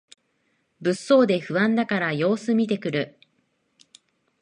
物騒で不安だから様子みてくる